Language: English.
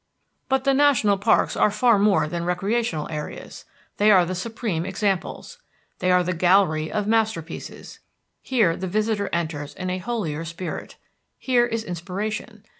But the national parks are far more than recreational areas. They are the supreme examples. They are the gallery of masterpieces. Here the visitor enters in a holier spirit. Here is inspiration.